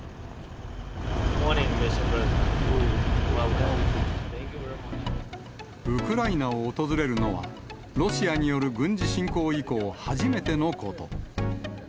ウクライナを訪れるのは、ロシアによる軍事侵攻以降初めてのこと。